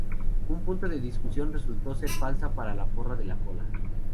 Un punto de discusión resultó ser la falsa porra de la cola.